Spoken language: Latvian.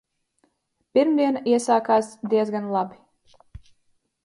Pirmdiena iesākās diezgan labi.